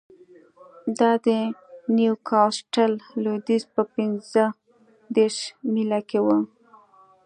دا د نیوکاسټل لوېدیځ په پنځه دېرش میله کې و